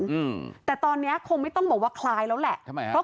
อืมแต่ตอนเนี้ยคงไม่ต้องบอกว่าคล้ายแล้วแหละทำไมฮะ